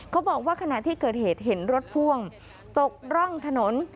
เขาบอกว่าขณะที่เกิดเหตุเห็นรถพ่วงตกร่องถนน